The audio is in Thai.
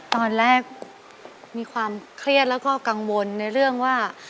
ตอนแรกมีความเครียดแล้วก็กังวลในเรื่องว่า